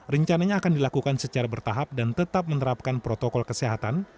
rencananya akan dilakukan secara bertahap dan tetap menerapkan protokol kesehatan